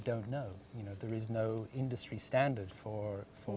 untuk turbinan udara